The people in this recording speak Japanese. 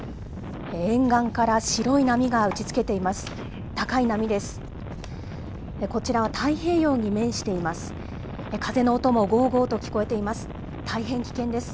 沿岸から白い波が打ちつけています。